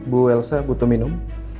bu elsa butuh minum